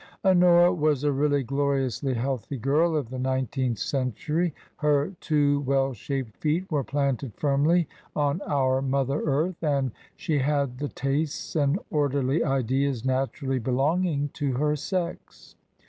Honora was a really gloriously healthy giri of the nineteenth century; her two well shaped feet were planted firmly on our mother earth, and she had the tastes and orderly ideas naturally be longing to her sex.